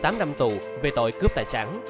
một mươi tám năm tù về tội cướp tài sản